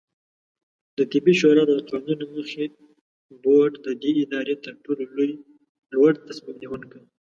دطبي شورا د قانون له مخې، بورډ د دې ادارې ترټولو لوړتصمیم نیونکې